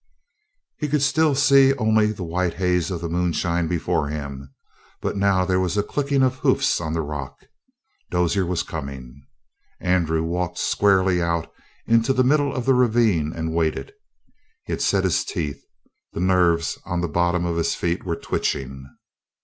He could still see only the white haze of the moonshine before him, but now there was the clicking of hoofs on the rock. Dozier was coming. Andrew walked squarely out into the middle of the ravine and waited. He had set his teeth. The nerves on the bottom of his feet were twitching.